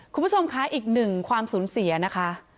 คุณผู้ชมคะอีกหนึ่งความสูญเสียนะคะ